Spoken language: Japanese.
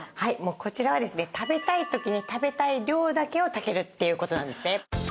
こちらはですね食べたい時に食べたい量だけを炊けるっていう事なんですね。